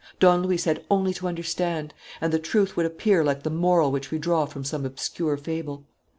Don Luis had only to understand, and the truth would appear like the moral which we draw from some obscure fable.